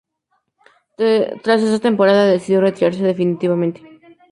Tras esa temporada, decidió retirarse definitivamente.